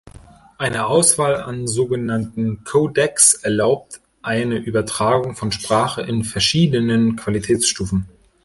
Eine Auswahl an sogenannten Codecs erlaubt eine Übertragung von Sprache in verschiedenen Qualitätsstufen.